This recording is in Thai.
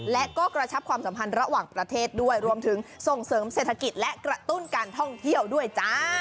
และก็กระชับความสัมพันธ์ระหว่างประเทศด้วยรวมถึงส่งเสริมเศรษฐกิจและกระตุ้นการท่องเที่ยวด้วยจ้า